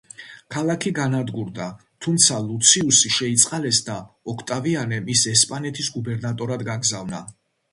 ქალაქი განადგურდა, თუმცა ლუციუსი შეიწყალეს და ოქტავიანემ ის ესპანეთის გუბერნატორად გაგზავნა.